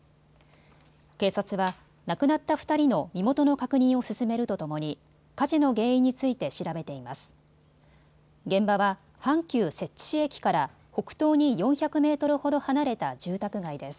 警察は亡くなった２人の身元の確認を進めるとともに火事の原因について調べています。